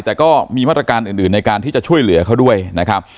แต่ก็มีมาตรการอื่นในการที่จะช่วยเหลือเขาด้วยนะครับ